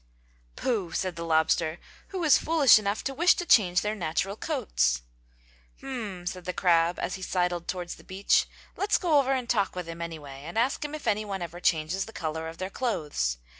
"Pooh!" said the lobster. "Who is foolish enough to wish to change their natural coats?" "Hmm!" said the crab as he sidled towards the beach. "Let's go over and talk with him, anyway, and ask him if anyone ever changes the color of their clothes.